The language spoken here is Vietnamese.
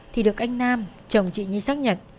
thì được anh nam chồng chị nhi xác nhận